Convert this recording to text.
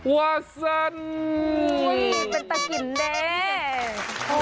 วาซันอุ๊ยเป็นตะกิ่นแดง